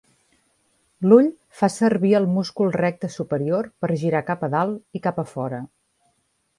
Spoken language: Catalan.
L'ull fa servir el múscul recte superior per girar cap a dalt i cap a fora.